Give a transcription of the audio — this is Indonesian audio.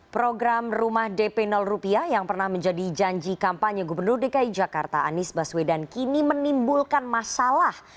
program rumah dp rupiah yang pernah menjadi janji kampanye gubernur dki jakarta anies baswedan kini menimbulkan masalah